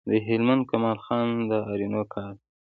د هلمند کمال خان د آرینو کار دی